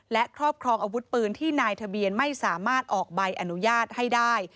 และครอบครองอาวุธปืนที่นายทะเบียนไม่สามารถออกใบอนุญาตให้ได้